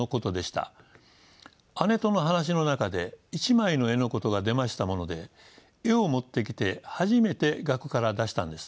姉との話の中で「一枚の絵」のことが出ましたもので絵を持ってきて初めて額から出したんです。